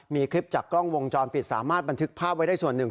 มีคลิปจากกล้องวงจรปิดสามารถบันทึกภาพไว้ได้ส่วนหนึ่ง